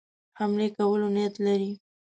حملې کولو نیت لري.